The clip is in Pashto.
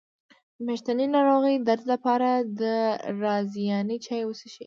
د میاشتنۍ ناروغۍ درد لپاره د رازیانې چای وڅښئ